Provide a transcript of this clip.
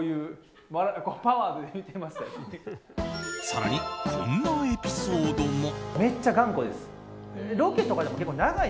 更に、こんなエピソードも。